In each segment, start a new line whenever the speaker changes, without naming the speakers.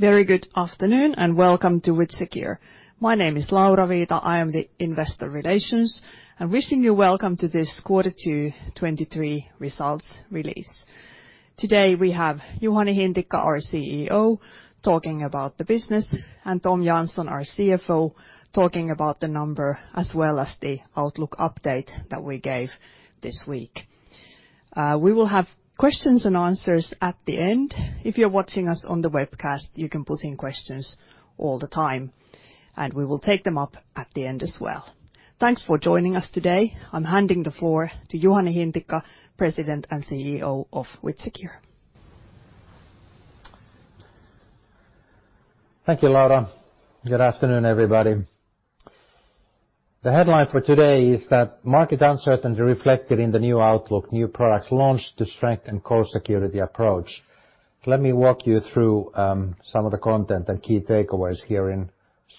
Very good afternoon, and welcome to WithSecure. My name is Laura Viita, I am the Investor Relations. I'm wishing you welcome to this Q2 2023 results release. Today, we have Juhani Hintikka, our CEO, talking about the business, and Tom Jansson, our CFO, talking about the number as well as the outlook update that we gave this week. We will have questions and answers at the end. If you're watching us on the webcast, you can put in questions all the time, and we will take them up at the end as well. Thanks for joining us today. I'm handing the floor to Juhani Hintikka, President and CEO of WithSecure.
Thank you, Laura. Good afternoon, everybody. The headline for today is that market uncertainty reflected in the new outlook, new products launched to strengthen core security approach. Let me walk you through some of the content and key takeaways here in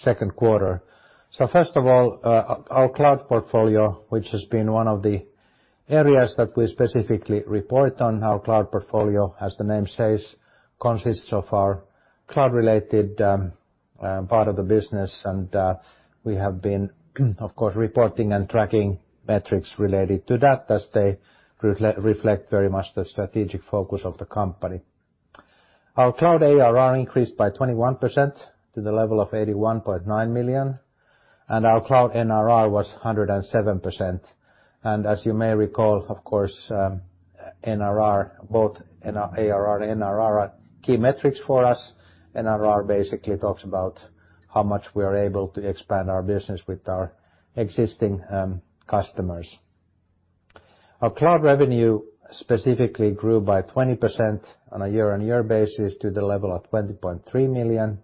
Q2. First of all, our cloud portfolio, which has been one of the areas that we specifically report on, our cloud portfolio, as the name says, consists of our cloud-related part of the business. We have been, of course, reporting and tracking metrics related to that as they reflect very much the strategic focus of the company. Our cloud ARR increased by 21% to the level of 81.9 million, and our cloud NRR was 107%. As you may recall, of course, NRR, both ARR, NRR are key metrics for us. NRR basically talks about how much we are able to expand our business with our existing customers. Our cloud revenue specifically grew by 20% on a year-over-year basis to the level of 20.3 million,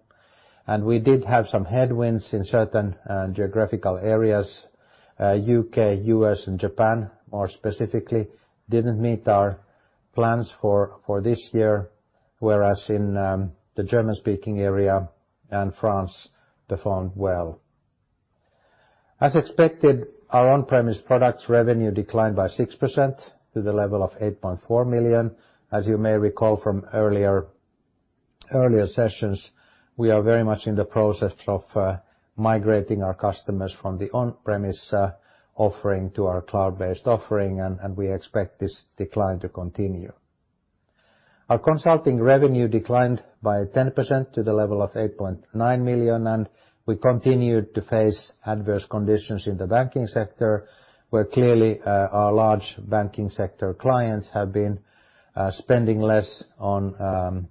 and we did have some headwinds in certain geographical areas. U.K., U.S., and Japan, more specifically, didn't meet our plans for this year, whereas in DACH and France, they performed well. As expected, our on-premise products revenue declined by 6% to the level of 8.4 million. As you may recall from earlier sessions, we are very much in the process of migrating our customers from the on-premise offering to our cloud-based offering, and we expect this decline to continue. Our consulting revenue declined by 10% to the level of 8.9 million. We continued to face adverse conditions in the banking sector, where clearly, our large banking sector clients have been spending less on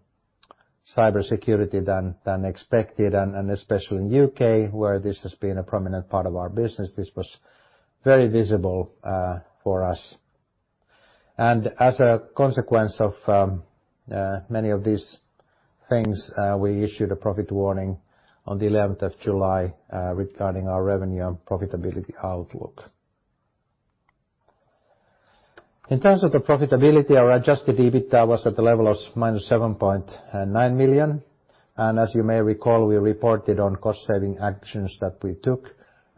cybersecurity than expected, and especially in U.K., where this has been a prominent part of our business. This was very visible for us. As a consequence of many of these things, we issued a profit warning on the 11 July 2023 regarding our revenue and profitability outlook. In terms of the profitability, our adjusted EBITDA was at the level of minus 7.9 million. As you may recall, we reported on cost-saving actions that we took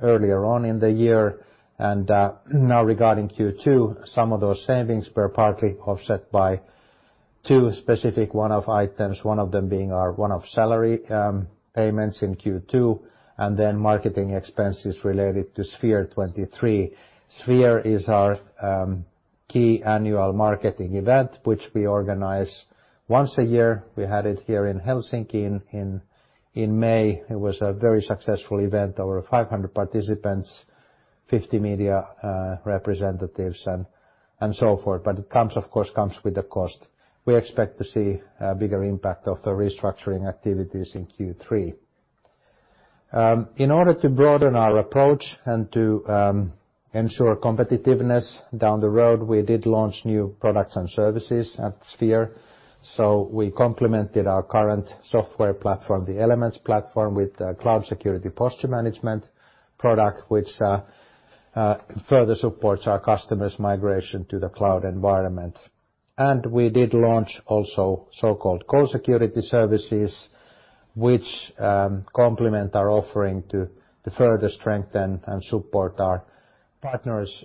earlier on in the year. Now regarding Q2, some of those savings were partly offset bytwo specific one-off items, one of them being our one-off salary payments in Q2, and then marketing expenses related to SPHERE23. SPHERE is our key annual marketing event, which we organize once a year. We had it here in Helsinki in May. It was a very successful event, over 500 participants, 50 media representatives, and so forth, it comes, of course, with a cost. We expect to see a bigger impact of the restructuring activities in Q3. In order to broaden our approach and to ensure competitiveness down the road, we did launch new products and services at SPHERE. We complemented our current software platform, the Elements platform, with the Cloud Security Posture Management product, which further supports our customers' migration to the cloud environment. We did launch also so-called Co-Security Services, which complement our offering to further strengthen and support our partners'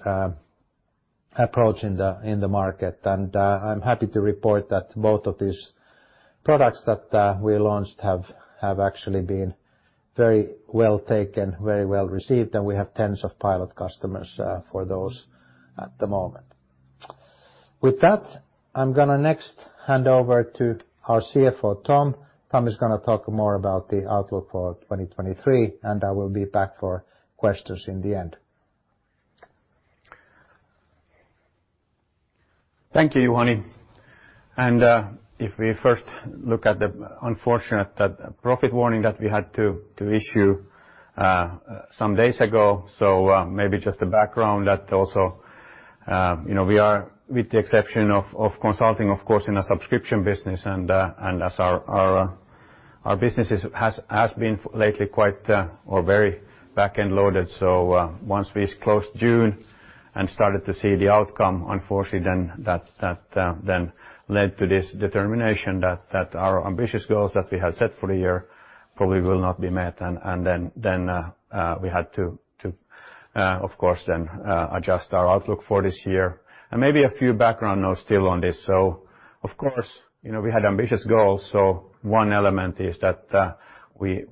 approach in the market. I'm happy to report that both of these products that we launched have actually been very well taken, very well received, and we have tens of pilot customers for those at the moment. With that, I'm gonna next hand over to our CFO, Tom. Tom is gonna talk more about the outlook for 2023, and I will be back for questions in the end.
Thank you, Juhani. If we first look at the unfortunate, that profit warning that we had to issue some days ago. Maybe just a background that also, you know, we are, with the exception of consulting, of course, in a subscription business and as our, our business has been lately quite, or very back-end loaded. Once we closed June and started to see the outcome, unfortunately then, that, then led to this determination that our ambitious goals that we had set for the year probably will not be met, and then we had to, of course, then adjust our outlook for this year. Maybe a few background notes still on this. Of course, you know, we had ambitious goals, so one element is that we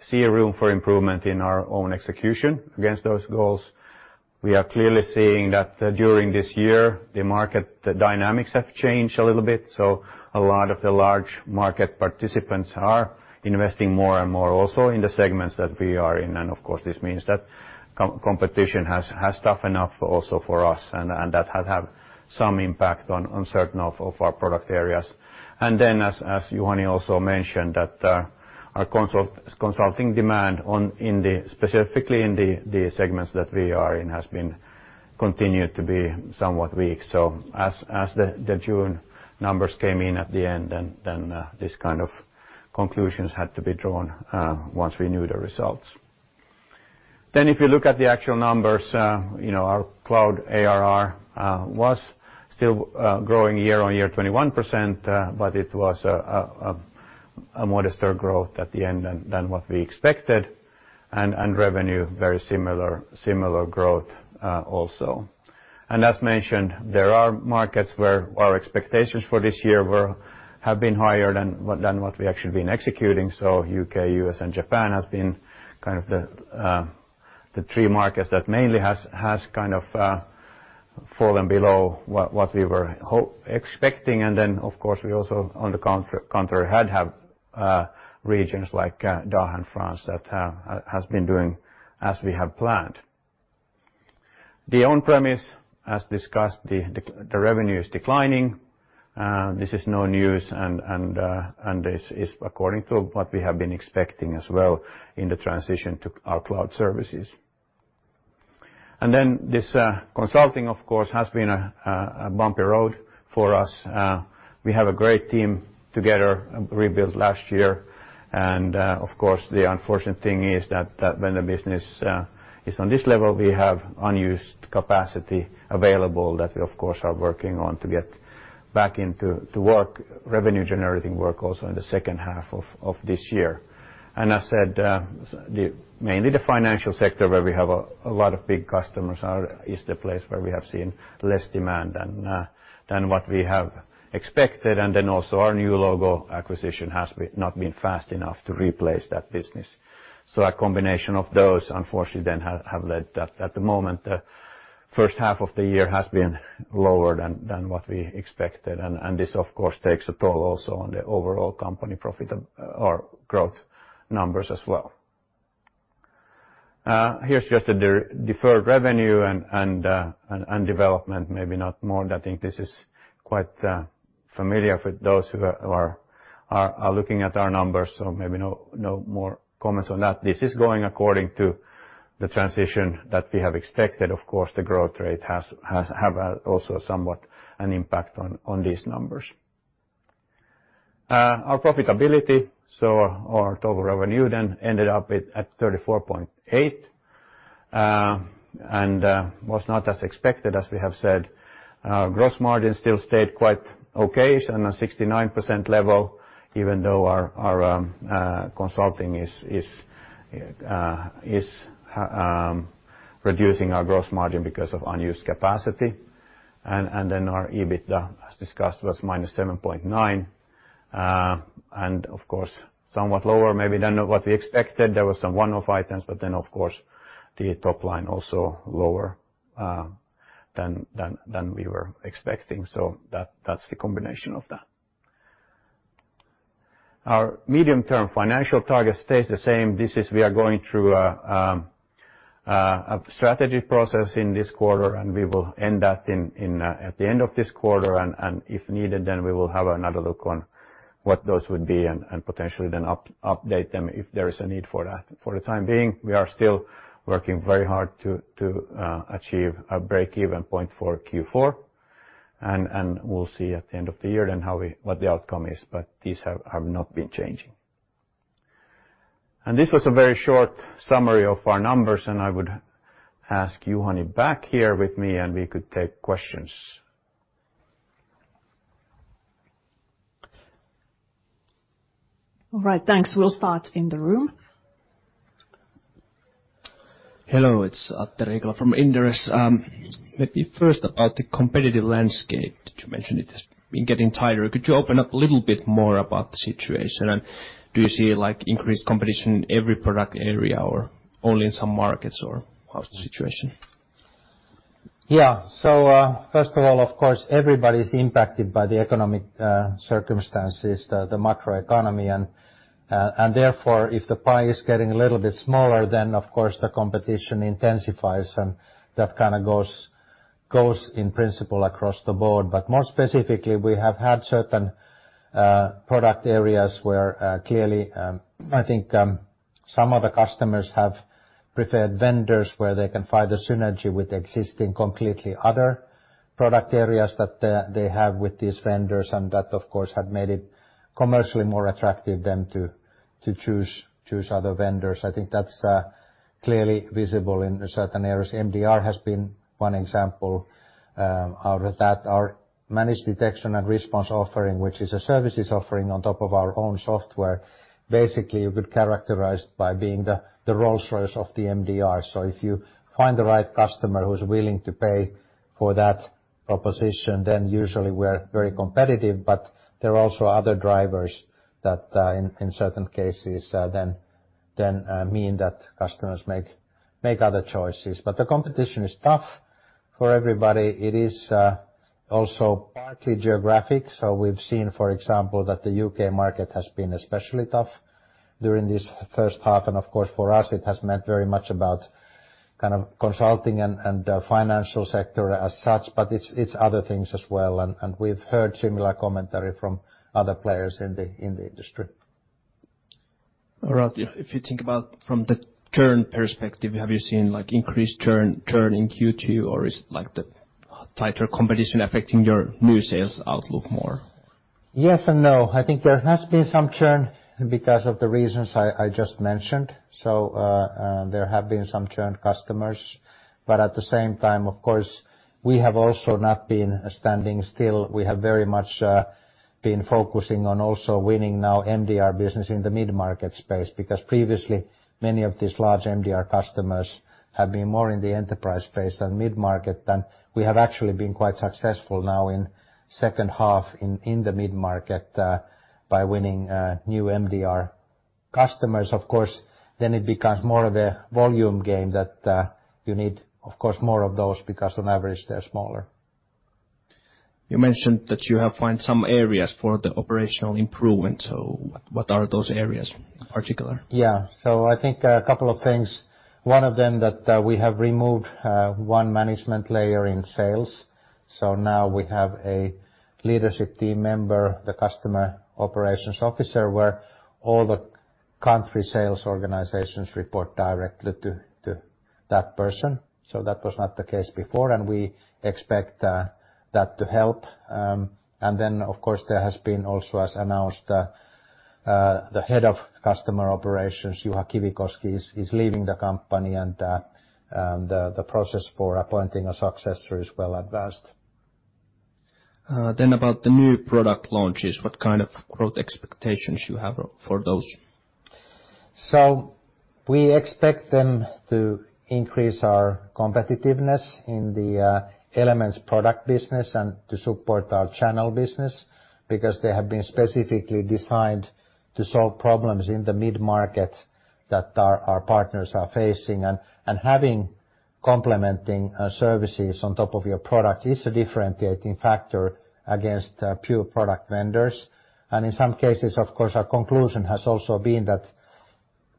see a room for improvement in our own execution against those goals. We are clearly seeing that, during this year, the market, the dynamics have changed a little bit. A lot of the large market participants are investing more and more also in the segments that we are in. Of course, this means that competition has toughened up also for us, and that has had some impact on certain of our product areas. As Juhani also mentioned, that our consulting demand specifically in the segments that we are in, has been continued to be somewhat weak. As the June numbers came in at the end, then this kind of conclusions had to be drawn once we knew the results. If you look at the actual numbers, you know, our cloud ARR was still growing year-on-year 21%. It was a modestly growth at the end than what we expected, and revenue, very similar growth also. As mentioned, there are markets where our expectations for this year have been higher than what we've actually been executing. U.K., U.S., and Japan has been kind of the three markets that mainly has kind of fallen below what we were expecting. Of course, we also, on the contrary, have regions like DACH and France, that has been doing as we have planned. The on-premise, as discussed, the revenue is declining. This is no news, and this is according to what we have been expecting as well in the transition to our cloud services. This consulting, of course, has been a bumpy road for us. We have a great team together, rebuilt last year. Of course, the unfortunate thing is that when the business is on this level, we have unused capacity available that we, of course, are working on to get back into to work, revenue-generating work also in H2. I said, mainly the financial sector, where we have a lot of big customers, is the place where we have seen less demand than what we have expected. Then also our new logo acquisition has not been fast enough to replace that business. A combination of those, unfortunately, then have led that. At the moment, the H2 has been lower than what we expected, and this, of course, takes a toll also on the overall company profit or growth numbers as well. Here's just the deferred revenue and development, maybe not more. I think this is quite familiar for those who are looking at our numbers, so maybe no more comments on that. This is going according to the transition that we have expected. Of course, the growth rate has also somewhat an impact on these numbers. Our profitability, our total revenue then ended up at 34.8, was not as expected, as we have said. Gross margin still stayed quite okay, on a 69% level, even though our consulting is reducing our gross margin because of unused capacity. Our EBITDA, as discussed, was minus 7.9. Of course, somewhat lower, maybe than what we expected. There were some one-off items. Of course, the top line also lower than we were expecting. That's the combination of that. Our medium-term financial target stays the same. This is we are going through a strategy process in this quarter. We will end that at the end of this quarter. If needed, we will have another look on what those would be and potentially update them if there is a need for that. For the time being, we are still working very hard to achieve a break-even point for Q4. We'll see at the end of the year then, what the outcome is, but these have not been changing. This was a very short summary of our numbers, and I would ask Juhani back here with me, and we could take questions.
All right, thanks. We'll start in the room.
Hello, it's Atte Riikola from Inderes. Maybe first, about the competitive landscape, did you mention it has been getting tighter? Could you open up a little bit more about the situation, do you see, like, increased competition in every product area or only in some markets, or how's the situation?
First of all, of course, everybody's impacted by the economic circumstances, the macroeconomy. Therefore, if the pie is getting a little bit smaller, then of course, the competition intensifies, and that kind of goes in principle across the board. More specifically, we have had certain product areas where clearly, I think, some of the customers have preferred vendors, where they can find a synergy with existing, completely other product areas that they have with these vendors. That, of course, have made it commercially more attractive than to choose other vendors. I think that's clearly visible in certain areas. MDR has been one example out of that. Our Managed Detection and Response offering, which is a services offering on top of our own software, basically, you could characterize by being the Rolls-Royce of the MDR. If you find the right customer who's willing to pay for that proposition, then usually we're very competitive, but there are also other drivers that, in certain cases, mean that customers make other choices. The competition is tough for everybody. It is also partly geographic. We've seen, for example, that the U.K. market has been especially tough during this first half, and of course, for us, it has meant very much about kind of consulting and financial sector as such, but it's other things as well, and we've heard similar commentary from other players in the industry.
All right. If you think about from the churn perspective, have you seen, like, increased churn in Q2, or is, like, the tighter competition affecting your new sales outlook more?
Yes and no. I think there has been some churn because of the reasons I just mentioned, so, there have been some churn customers. At the same time, of course, we have also not been standing still. We have very much been focusing on also winning now MDR business in the mid-market space. Previously, many of these large MDR customers have been more in the enterprise space than mid-market, than we have actually been quite successful now in second half in the mid-market by winning new MDR customers. Then it becomes more of a volume game that you need, of course, more of those because on average, they're smaller.
You mentioned that you have found some areas for the operational improvement, what are those areas in particular?
I think a couple of things. One of them that we have removed one management layer in sales, now we have a leadership team member, the Chief Customer Officer, where all the country sales organizations report directly to that person. That was not the case before, and we expect that to help. Of course, there has been also, as announced, the head of customer operations, Juha Kivikoski, is leaving the company, the process for appointing a successor is well advanced.
About the new product launches, what kind of growth expectations you have for those?
We expect them to increase our competitiveness in the Elements product business and to support our channel business, because they have been specifically designed to solve problems in the mid-market that our partners are facing. Having complementing services on top of your product is a differentiating factor against pure product vendors. In some cases, of course, our conclusion has also been that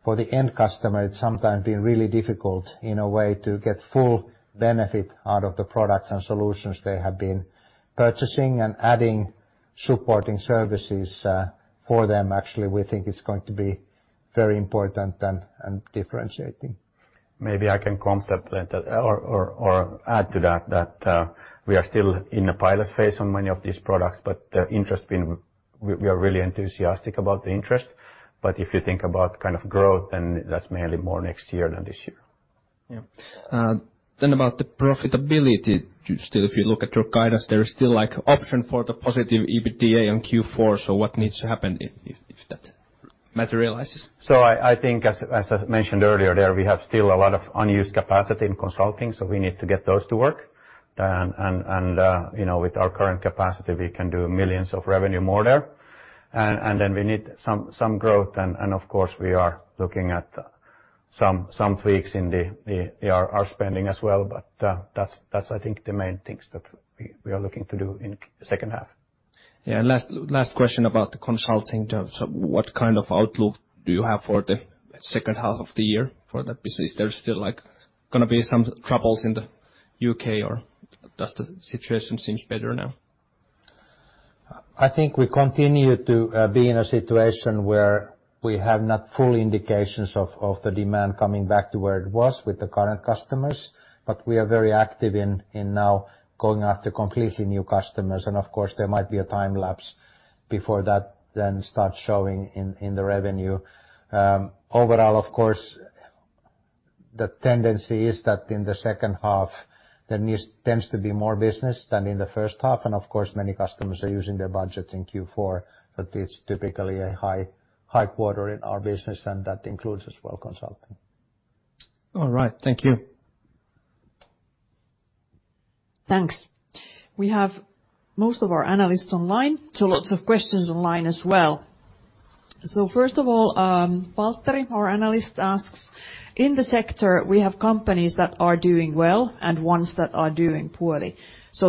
for the end customer, it's sometimes been really difficult in a way to get full benefit out of the products and solutions they have been purchasing. Adding supporting services for them, actually, we think is going to be very important and differentiating.
Maybe I can complement that or add to that we are still in the pilot phase on many of these products, but the interest we are really enthusiastic about the interest. If you think about kind of growth, that's mainly more next year than this year.
Yeah. About the profitability, still if you look at your guidance, there is still, like, option for the positive EBITDA in Q4, so what needs to happen if that materializes?
I think as I mentioned earlier, there we have still a lot of unused capacity in consulting, so we need to get those to work. And, you know, with our current capacity, we can do millions of EUR in revenue more there. And then we need some growth and of course, we are looking at some tweaks in the our spending as well, but, that's, I think, the main things that we are looking to do in second half.
Last question about the consulting terms. What kind of outlook do you have for the second half of the year for that business? There's still, like, gonna be some troubles in the U.K., or does the situation seems better now?
I think we continue to be in a situation where we have not full indications of the demand coming back to where it was with the current customers, but we are very active in now going after completely new customers. There might be a time lapse before that then starts showing in the revenue. Overall, of course, the tendency is that in the second half, there tends to be more business than in the first half. Many customers are using their budgets in Q4, that it's typically a high quarter in our business, and that includes as well consulting.
All right. Thank you.
Thanks. We have most of our analysts online, lots of questions online as well. First of all, Valtteri, our analyst, asks: In the sector, we have companies that are doing well and ones that are doing poorly.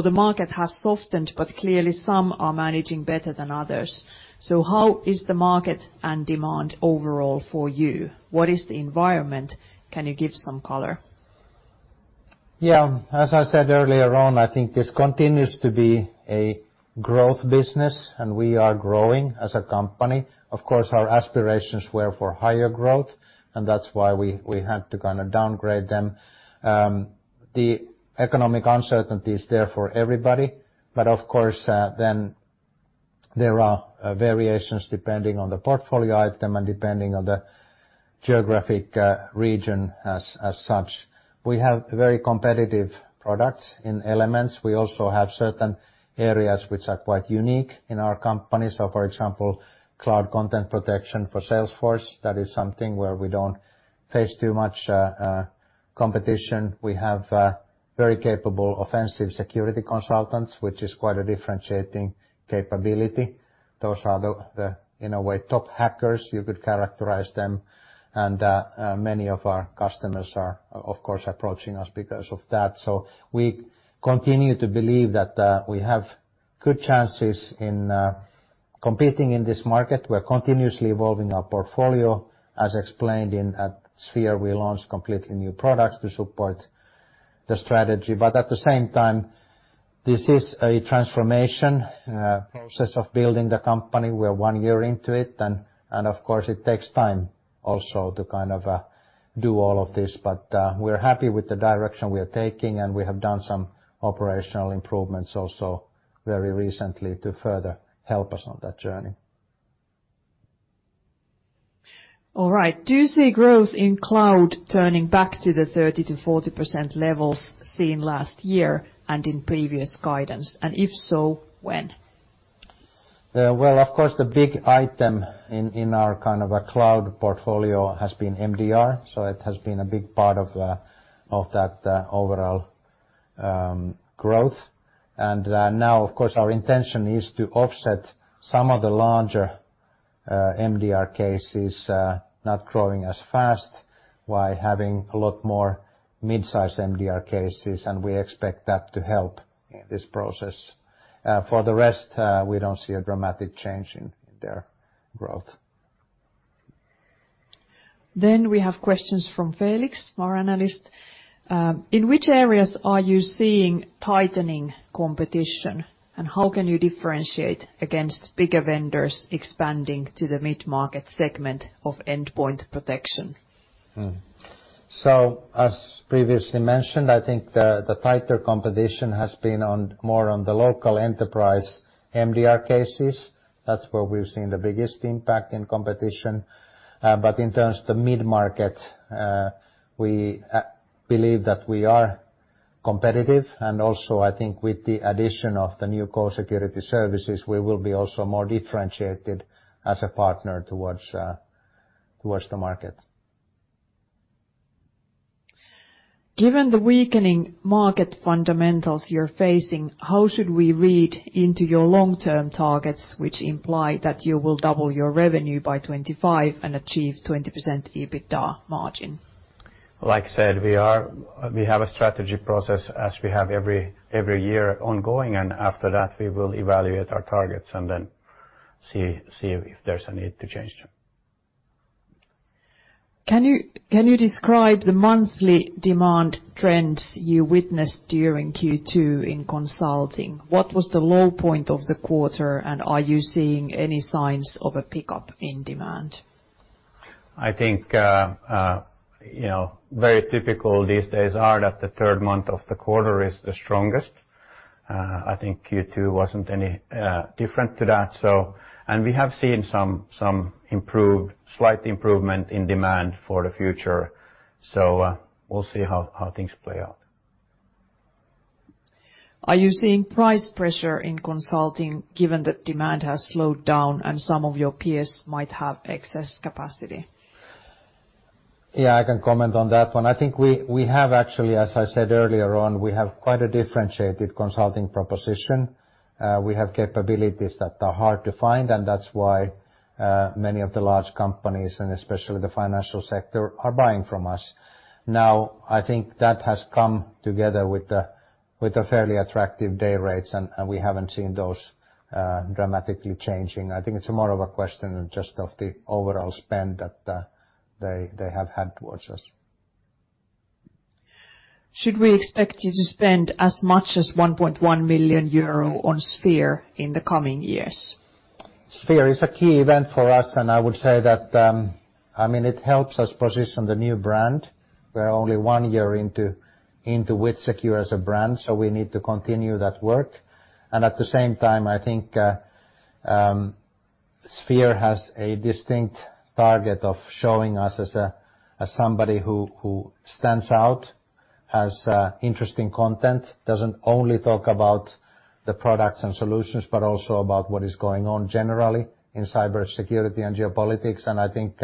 The market has softened, but clearly some are managing better than others. How is the market and demand overall for you? What is the environment? Can you give some color?
Yeah. As I said earlier on, I think this continues to be a growth business, and we are growing as a company. Of course, our aspirations were for higher growth, and that's why we had to kind of downgrade them. The economic uncertainty is there for everybody, of course, then there are variations depending on the portfolio item and depending on the geographic region as such. We have very competitive products in Elements. We also have certain areas which are quite unique in our company. So for example, Cloud Content Protection for Salesforce, that is something where we don't face too much competition. We have very capable offensive security consultants, which is quite a differentiating capability. Those are the, in a way, top hackers, you could characterize them, and many of our customers are, of course, approaching us because of that. We continue to believe that we have good chances in competing in this market. We're continuously evolving our portfolio. As explained in, at SPHERE, we launched completely new products to support the strategy. At the same time, this is a transformation process of building the company. We're one year into it, and of course, it takes time also to kind of do all of this. We're happy with the direction we are taking, and we have done some operational improvements also very recently to further help us on that journey.
All right. Do you see growth in cloud turning back to the 30%-40% levels seen last year and in previous guidance, and if so, when?
Well, of course, the big item in our kind of a cloud portfolio has been MDR, so it has been a big part of that, overall, growth. Now, of course, our intention is to offset some of the larger, MDR cases, not growing as fast, while having a lot more mid-sized MDR cases, and we expect that to help in this process. For the rest, we don't see a dramatic change in their growth.
We have questions from Felix Henriksson, our analyst. In which areas are you seeing tightening competition, and how can you differentiate against bigger vendors expanding to the mid-market segment of endpoint protection?
As previously mentioned, I think the tighter competition has been more on the local enterprise MDR cases. That's where we've seen the biggest impact in competition. In terms of the mid-market, we believe that we are competitive, and also, I think with the addition of the new Co-Security Services, we will be also more differentiated as a partner towards the market.
Given the weakening market fundamentals you're facing, how should we read into your long-term targets, which imply that you will double your revenue by 2025 and achieve 20% EBITDA margin?
Like I said, we have a strategy process, as we have every year ongoing. After that, we will evaluate our targets. Then see if there's a need to change them.
Can you describe the monthly demand trends you witnessed during Q2 in consulting? What was the low point of the quarter, and are you seeing any signs of a pickup in demand?
I think, you know, very typical these days are that the third month of the quarter is the strongest. I think Q2 wasn't any different to that. We have seen some improved, slight improvement in demand for the future, we'll see how things play out.
Are you seeing price pressure in consulting, given that demand has slowed down and some of your peers might have excess capacity?
Yeah, I can comment on that one. I think we have actually, as I said earlier on, we have quite a differentiated consulting proposition. We have capabilities that are hard to find, and that's why many of the large companies, and especially the financial sector, are buying from us. Now, I think that has come together with a fairly attractive day rates, and we haven't seen those dramatically changing. I think it's more of a question just of the overall spend that they have had towards us.
Should we expect you to spend as much as 1.1 million euro on SPHERE in the coming years?
SPHERE is a key event for us. I would say that, I mean, it helps us position the new brand. We're only one year into WithSecure as a brand. We need to continue that work. At the same time, I think, SPHERE has a distinct target of showing us as somebody who stands out, has interesting content, doesn't only talk about the products and solutions, but also about what is going on generally in cybersecurity and geopolitics, and I think,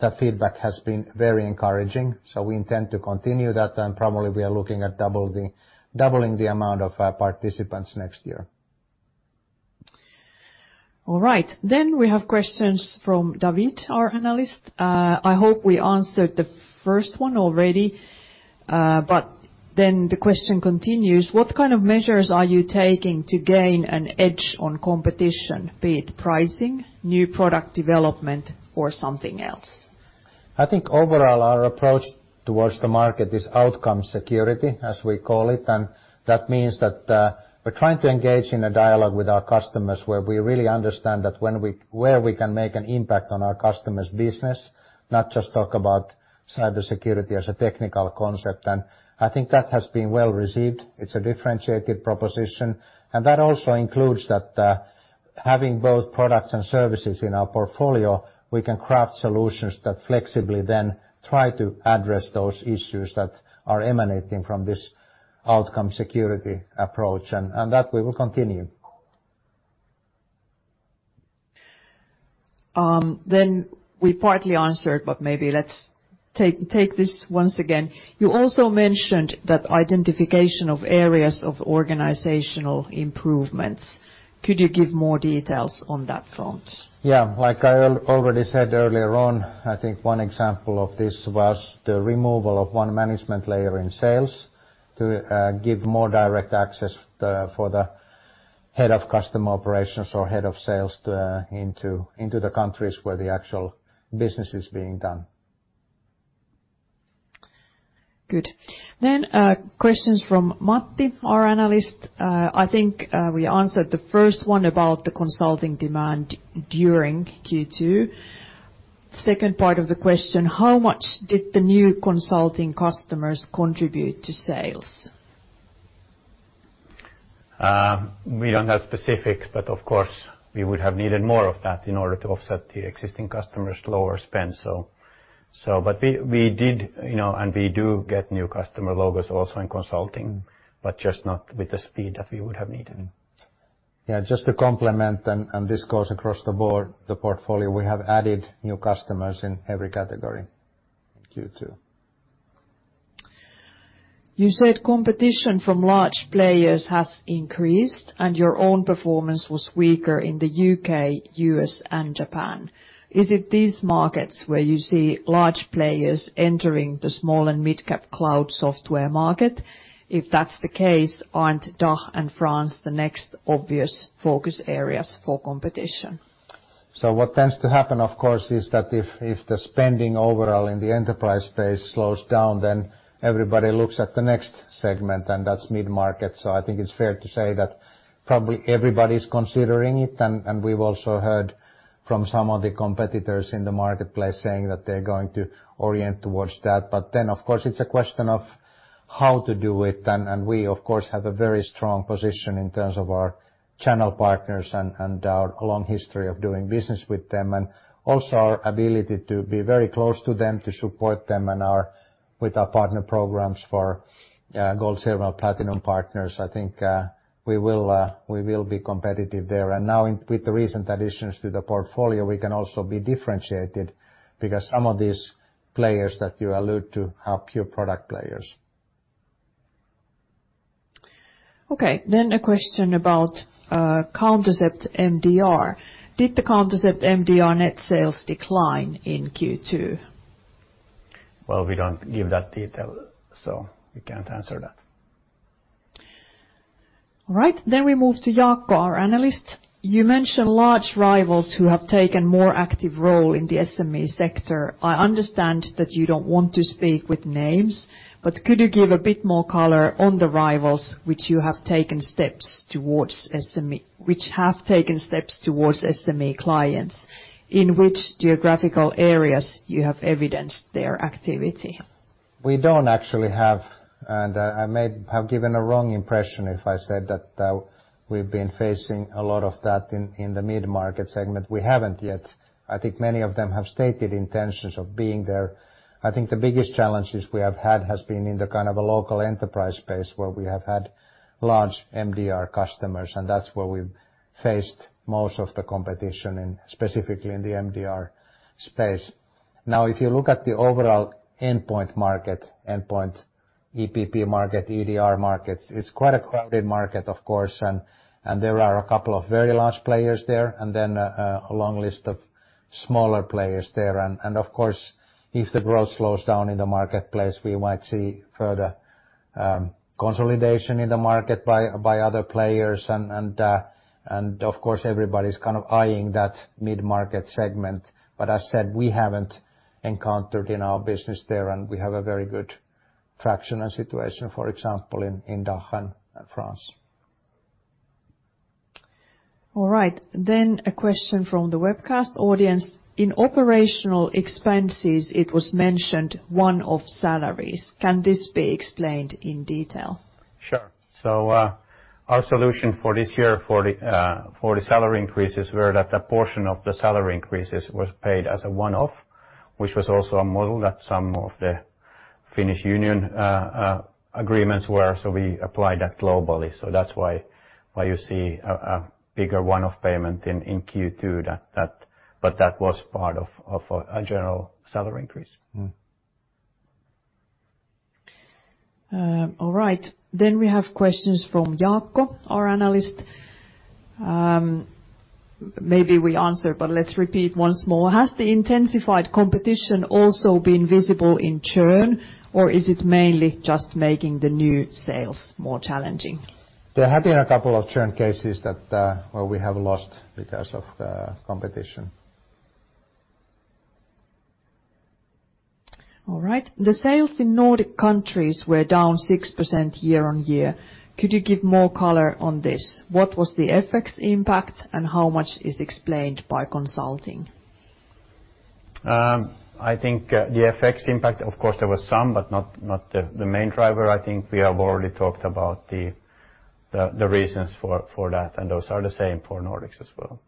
the feedback has been very encouraging. We intend to continue that, and probably we are looking at doubling the amount of participants next year.
All right. We have questions from David Vondracek, our analyst. I hope we answered the first one already. The question continues: What kind of measures are you taking to gain an edge on competition, be it pricing, new product development, or something else?
I think overall, our approach towards the market is outcome security, as we call it, and that means that we're trying to engage in a dialogue with our customers, where we really understand that where we can make an impact on our customers' business, not just talk about cybersecurity as a technical concept. I think that has been well-received. It's a differentiated proposition, and that also includes that having both products and services in our portfolio, we can craft solutions that flexibly then try to address those issues that are emanating from this outcome security approach, and that we will continue.
We partly answered, but maybe let's take this once again. You also mentioned that identification of areas of organizational improvements. Could you give more details on that front?
Yeah, like I already said earlier on, I think one example of this was the removal of one management layer in sales to give more direct access for the head of customer operations or head of sales into the countries where the actual business is being done.
Good. Questions from Matti Ahokas, our analyst. I think, we answered the first one about the consulting demand during Q2. Second part of the question, how much did the new consulting customers contribute to sales?
We don't have specifics, but of course, we would have needed more of that in order to offset the existing customers' lower spend, so but we did, you know, and we do get new customer logos also in consulting, but just not with the speed that we would have needed.
Just to complement, and this goes across the board, the portfolio, we have added new customers in every category in Q2.
You said competition from large players has increased, and your own performance was weaker in the U.K., U.S., and Japan. Is it these markets where you see large players entering the small and mid-cap cloud software market? If that's the case, aren't DACH and France the next obvious focus areas for competition?
What tends to happen, of course, is that if the spending overall in the enterprise space slows down, then everybody looks at the next segment, and that's mid-market. I think it's fair to say that probably everybody's considering it, and we've also heard from some of the competitors in the marketplace saying that they're going to orient towards that. Of course, it's a question of how to do it, and we, of course, have a very strong position in terms of our channel partners and our long history of doing business with them, and also our ability to be very close to them, to support them with our partner programs for gold, silver, and platinum partners. I think we will be competitive there. Now in, with the recent additions to the portfolio, we can also be differentiated, because some of these players that you allude to are pure product players.
Okay, a question about Countercept MDR. Did the Countercept MDR net sales decline in Q2?
Well, we don't give that detail, so we can't answer that.
All right, we move to Jaakko Tyrväinen, our analyst. You mentioned large rivals who have taken more active role in the SME sector. I understand that you don't want to speak with names, could you give a bit more color on the rivals which have taken steps towards SME clients, in which geographical areas you have evidenced their activity?
We don't actually have, and I may have given a wrong impression if I said that we've been facing a lot of that in the mid-market segment. We haven't yet. I think many of them have stated intentions of being there. I think the biggest challenges we have had has been in the kind of a local enterprise space, where we have had large MDR customers, and that's where we've faced most of the competition, in specifically in the MDR space. If you look at the overall endpoint market, endpoint EPP market, EDR markets, it's quite a crowded market, of course, and there are a couple of very large players there, and then a long list of smaller players there. Of course, if the growth slows down in the marketplace, we might see further consolidation in the market by other players, and of course, everybody's kind of eyeing that mid-market segment. As said, we haven't encountered in our business there, and we have a very good traction situation, for example, in DACH and France.
All right. A question from the webcast audience: In operational expenses, it was mentioned one-off salaries. Can this be explained in detail?
Sure. Our solution for this year for the salary increases were that a portion of the salary increases was paid as a one-off, which was also a model that some of the Finnish union agreements were. We applied that globally. That's why you see a bigger one-off payment in Q2 than that. That was part of a general salary increase.
Mm-hmm.
All right, we have questions from Jaakko Tyrväinen, our analyst. Maybe we answered, but let's repeat once more: Has the intensified competition also been visible in churn, or is it mainly just making the new sales more challenging?
There have been a couple of churn cases that, well, we have lost because of the competition.
All right. The sales in Nordic countries were down 6% year-on-year. Could you give more color on this? What was the FX impact, and how much is explained by consulting?
I think the FX impact, of course, there was some, but not the main driver. I think we have already talked about the reasons for that. Those are the same for Nordics as well.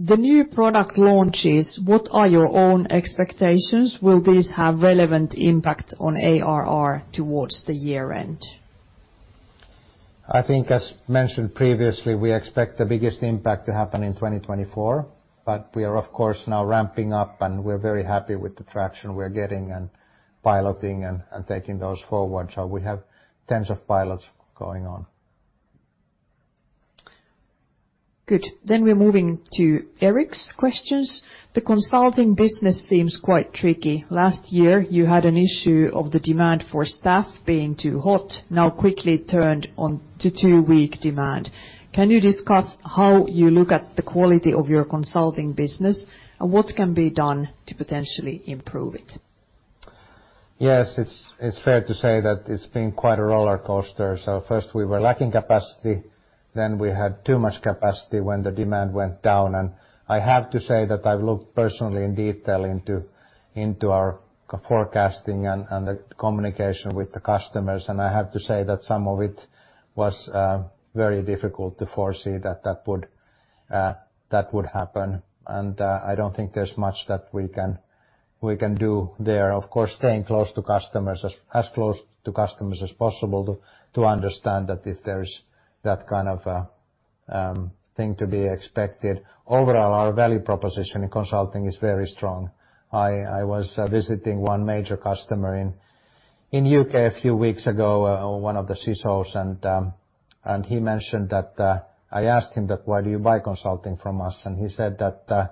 The new product launches, what are your own expectations? Will this have relevant impact on ARR towards the year end?
I think, as mentioned previously, we expect the biggest impact to happen in 2024. We are, of course, now ramping up, and we're very happy with the traction we're getting and piloting and taking those forward. We have tens of pilots going on.
Good. We're moving to Eric's questions. The consulting business seems quite tricky. Last year, you had an issue of the demand for staff being too hot, now quickly turned on to too weak demand. Can you discuss how you look at the quality of your consulting business, and what can be done to potentially improve it?
Yes, it's fair to say that it's been quite a rollercoaster. First we were lacking capacity, then we had too much capacity when the demand went down, and I have to say that I've looked personally in detail into our forecasting and the communication with the customers, and I have to say that some of it was very difficult to foresee that that would happen. I don't think there's much that we can do there. Of course, staying close to customers, as close to customers as possible to understand that if there's that kind of a thing to be expected. Overall, our value proposition in consulting is very strong. I was visiting one major customer in U.K. a few weeks ago, one of the CSOs. He mentioned that I asked him that, "Why do you buy consulting from us?" He said that,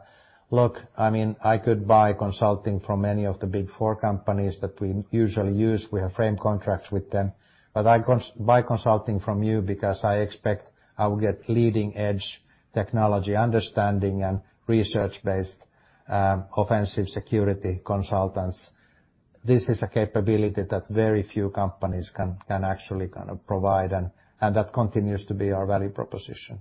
"Look, I mean, I could buy consulting from any of the big four companies that we usually use. We have frame contracts with them. I buy consulting from you because I expect I will get leading-edge technology understanding and research-based offensive security consultants." This is a capability that very few companies can actually kind of provide, and that continues to be our value proposition.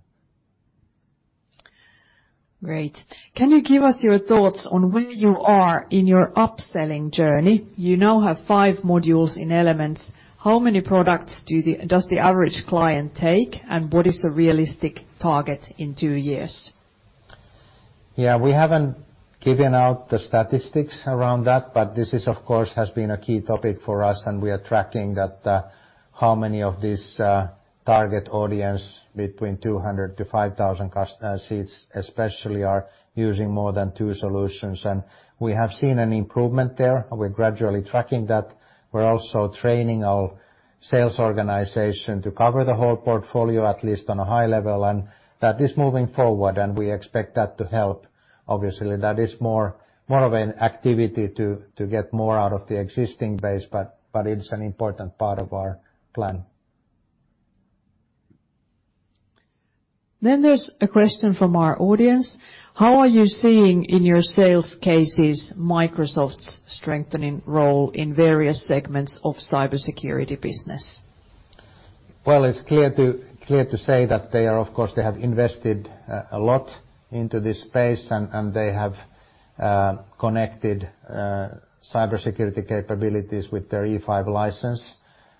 Great. Can you give us your thoughts on where you are in your upselling journey? You now have five modules in Elements. How many products does the average client take, and what is a realistic target in two years?
Yeah, we haven't given out the statistics around that, but this is, of course, has been a key topic for us, and we are tracking that, how many of this target audience between 200 to 5,000 seats especially are using more than two solutions. We have seen an improvement there, and we're gradually tracking that. We're also training our sales organization to cover the whole portfolio, at least on a high level, and that is moving forward, and we expect that to help. Obviously, that is more of an activity to get more out of the existing base, but it's an important part of our plan.
There's a question from our audience: How are you seeing in your sales cases Microsoft's strengthening role in various segments of cybersecurity business?
It's clear to, clear to say that they are... Of course, they have invested a lot into this space, and they have connected cybersecurity capabilities with their E5 license,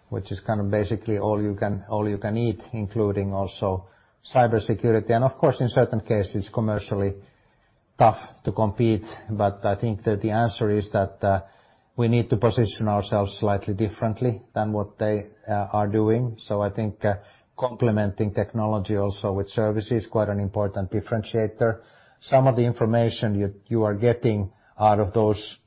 which is kind of basically all you can, all you can need, including also cybersecurity. Of course, in certain cases, commercially tough to compete, but I think that the answer is that we need to position ourselves slightly differently than what they are doing. I think, complementing technology also with service is quite an important differentiator. Some of the information you are getting out of those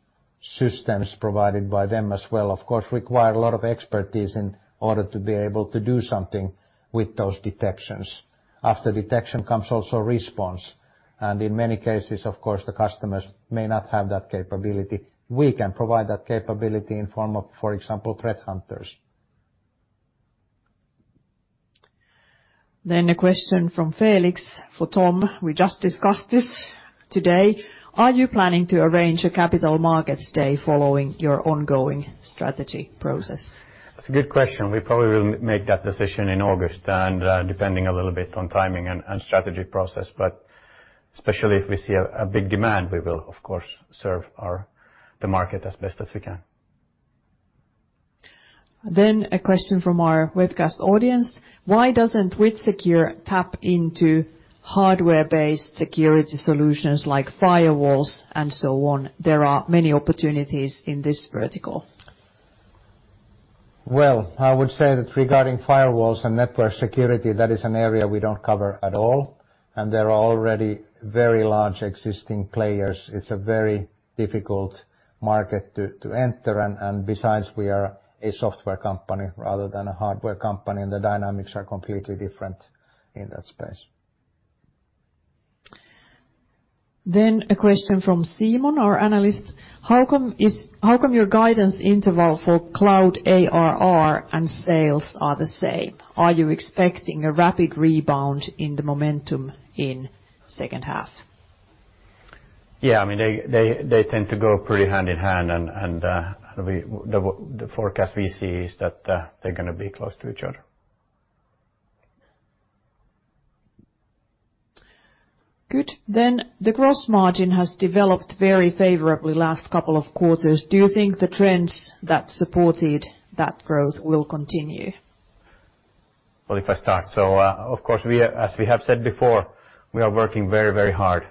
systems provided by them as well, of course, require a lot of expertise in order to be able to do something with those detections. After detection comes also response, and in many cases, of course, the customers may not have that capability. We can provide that capability in form of, for example, threat hunters.
A question from Felix for Tom. We just discussed this today. Are you planning to arrange a capital markets day following your ongoing strategy process?
That's a good question. We probably will make that decision in August, and depending a little bit on timing and strategy process, but especially if we see a big demand, we will, of course, serve the market as best as we can.
A question from our webcast audience: Why doesn't WithSecure tap into hardware-based security solutions like firewalls and so on? There are many opportunities in this vertical.
Well, I would say that regarding firewalls and network security, that is an area we don't cover at all, and there are already very large existing players. It's a very difficult market to enter, and besides, we are a software company rather than a hardware company, and the dynamics are completely different in that space.
A question from Simon Granath, our analyst: How come your guidance interval for cloud ARR and sales are the same? Are you expecting a rapid rebound in the momentum in second half?
Yeah, I mean, they tend to go pretty hand in hand, and we, the forecast we see is that they're gonna be close to each other.
Good. The gross margin has developed very favorably last couple of quarters. Do you think the trends that supported that growth will continue?
If I start, of course, we, as we have said before, we are working very, very hard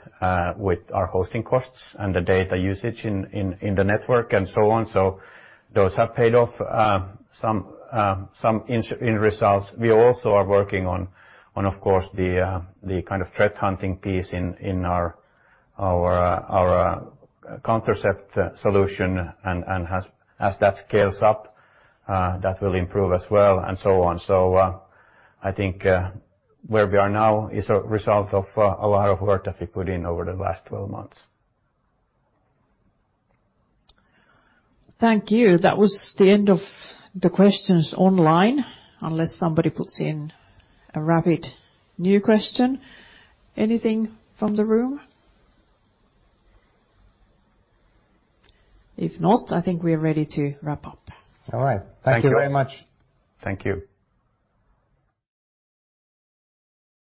with our hosting costs and the data usage in the network and so on. Those have paid off some in results. We also are working on of course, the kind of threat hunting piece in our Countercept solution, and as that scales up, that will improve as well, and so on. I think where we are now is a result of a lot of work that we put in over the last 12 months.
Thank you. That was the end of the questions online, unless somebody puts in a rapid new question. Anything from the room? If not, I think we're ready to wrap up.
All right. Thank you.
Thank you very much. Thank you.